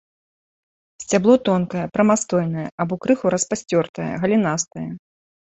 Сцябло тонкае, прамастойнае або крыху распасцёртае, галінастае.